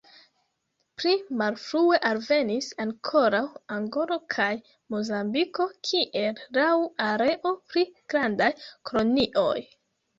Pli malfrue alvenis ankoraŭ Angolo kaj Mozambiko kiel laŭ areo pli grandaj kolonioj.